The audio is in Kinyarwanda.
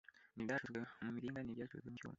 n’ibyacuzwe mu miringa n’ibyacuzwe mu cyuma,